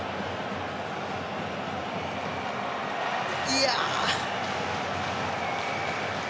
いや。